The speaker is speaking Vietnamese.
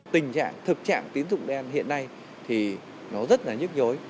tình trạng thực trạng tín dụng đen hiện nay thì nó rất là nhức nhối